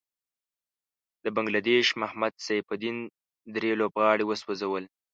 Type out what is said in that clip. د بنګله دېش محمد سيف الدين دری لوبغاړی وسوځل.